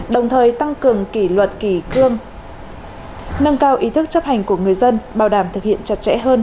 đồng thời tăng cường kỷ luật kỳ cương nâng cao ý thức chấp hành của người dân bảo đảm thực hiện chặt chẽ hơn